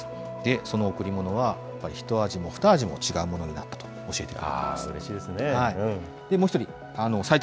その贈り物は、やっぱり一味も二味も違うものになったと教えてくれました。